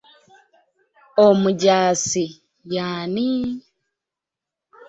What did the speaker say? Omujaasi y'ani?